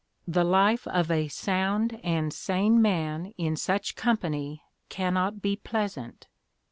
The life of a sound and sane man in such company cannot be pleasant.